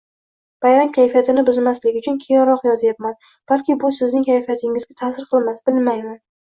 Bayram kayfiyatini buzmaslik uchun keyinroq yozyapman. Balki bu sizning kayfiyatingizga ta'sir qilmas, bilmayman...